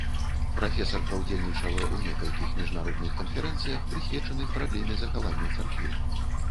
Прафесарка ўдзельнічала ў некалькіх міжнародных канферэнцыях, прысвечаных праблеме захавання царквы.